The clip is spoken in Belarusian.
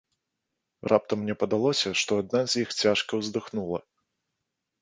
Раптам мне падалося, што адна з іх цяжка ўздыхнула.